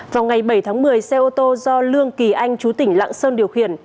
vào ngày bảy tháng một mươi xe ô tô do lương kỳ anh chú tỉnh lạng sơn điều khiển